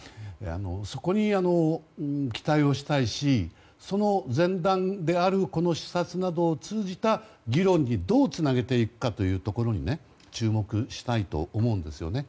そこに期待をしたいしその前段であるこの視察などを通じた議論にどうつなげていくかというところにね注目したいと思うんですよね。